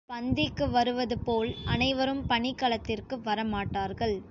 பந்திக்கு வருவது போல் அனைவரும் பணிக் களத்திற்கு வரமாட்டார்கள்.